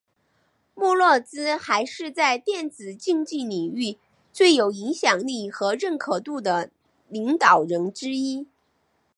穆洛兹还是在电子竞技领域最有影响力和认可度的领导人之一。